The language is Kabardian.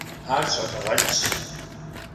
Ар щӏэныгъэлӏщ.